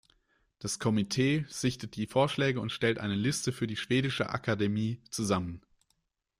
Das Komitee sichtet die Vorschläge und stellt eine Liste für die Schwedische Akademie zusammen.